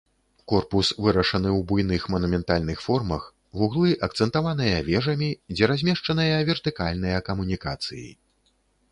Корпус вырашаны ў буйных манументальных формах, вуглы акцэнтаваныя вежамі, дзе размешчаныя вертыкальныя камунікацыі.